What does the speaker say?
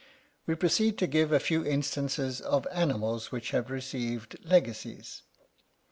We proceed to give a few instances of animals which have received legacies.